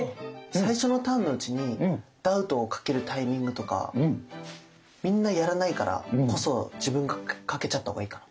最初のターンのうちにダウトをかけるタイミングとかみんなやらないからこそ自分がかけちゃった方がいいかな？